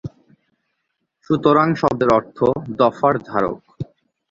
সুতরাং শব্দের অর্থ "দফার ধারক"।